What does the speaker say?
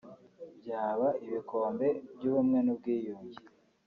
byaba ibikombe by’ubumwe n’ubwiyunge